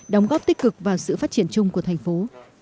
đóng góp tích cực vào sự phát triển chung của thành phố